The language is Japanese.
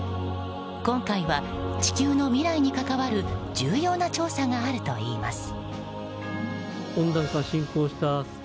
今回は地球の未来に関わる重要な調査があるといいます。